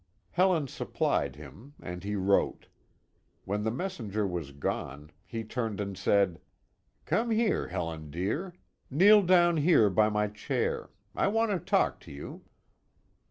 Helen supplied him, and he wrote. When the messenger was gone, he turned and said: "Come here, Helen dear. Kneel down here by my chair. I want to talk to you."